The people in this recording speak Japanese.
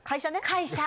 会社。